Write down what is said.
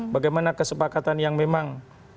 bagaimana kesepakatan yang memang